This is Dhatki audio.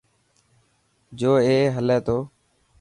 جو اي هلي تو.